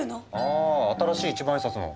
あ新しい一万円札の。